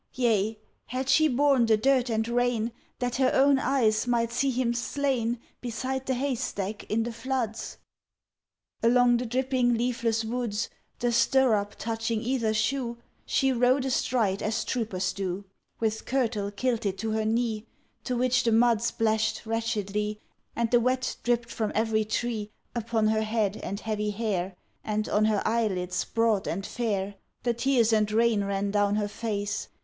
Yea, had she borne the dirt and rain That her own eyes might see him slain Beside the haystack in the floods? Along the dripping leafless woods, The stirrup touching either shoe, She rode astride as troopers do; With kirtle kilted to her knee, To which the mud splash'd wretchedly; And the wet dripp'd from every tree Upon her head and heavy hair, And on her eyelids broad and fair; The tears and rain ran down her face.